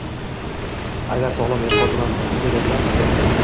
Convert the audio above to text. Agar sog‘lom eʼtiqod bilan ziynatlanmasa